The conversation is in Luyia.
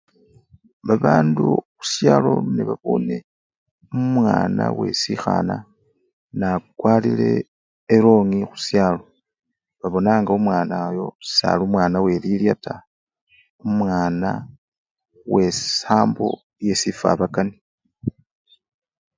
Babandu khusyalo nebabone umwana wesikhana nagwarire elongi khusyalo, babona nga omwana yo sali omwana welirye taa, omwana wesambo yesifwabakani.